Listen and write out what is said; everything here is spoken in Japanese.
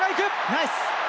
ナイス！